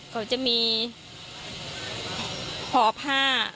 เขาจะมีห่อผ้า